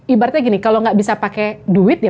ibaratnya gini kalau nggak bisa pakai duit ya